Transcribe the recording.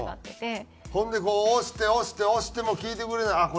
ほんでこう押して押して押しても聞いてくれないあっ